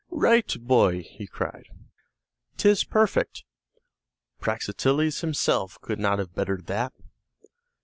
"Right, boy!" he cried. "'Tis perfect; Praxiteles himself could not have bettered that!"